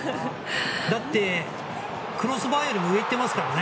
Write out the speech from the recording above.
だって、クロスバーよりも上いってますからね。